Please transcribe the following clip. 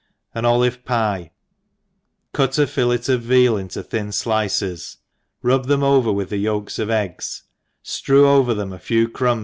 An Olive Pye, CUT a fillet of veal in thin flices, rub them •ver With yolks of eggs, drew over them a few crumbs